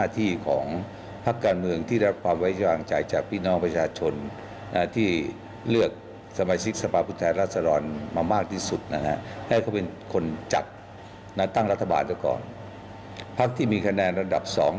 ถือว่าเสียมารยาทไปยิ่ง